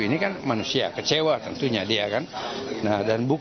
ini kan manusia kecewa tentunya dia kan